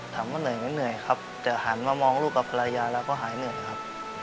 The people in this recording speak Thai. ถามว่าเหนื่อยไหมเหนื่อยครับแต่หันมามองลูกกับภรรยาแล้วก็หายเหนื่อยครับ